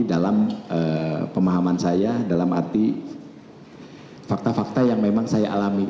dalam pemahaman saya dalam arti fakta fakta yang memang saya alami